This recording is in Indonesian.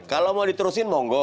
kalau mau diterusin monggo